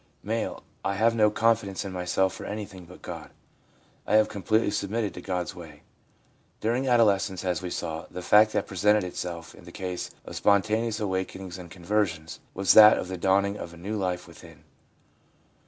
M. ' I have no confidence in myself or anything but God ; I have completely submitted to God's way.' During adolescence, as we saw, the fact that presented itself in the case of spontaneous awakenings and con versions was that of the dawning of a new life within.